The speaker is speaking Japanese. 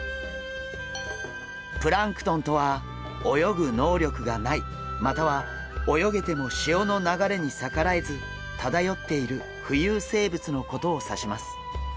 プランクトンとは泳ぐ能力がないまたは泳げても潮の流れに逆らえず漂っている浮遊生物のことを指します。